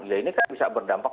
ya ini kan bisa berdampak